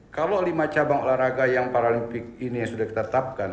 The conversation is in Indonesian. kalau lima cabang olahraga yang paralimpik ini sudah ditetapkan